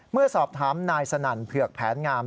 เมื่อสอบถามนายสนั่นเผือกแผนงาม